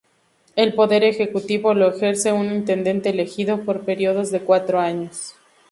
El poder ejecutivo lo ejerce un intendente elegido por períodos de cuatro años.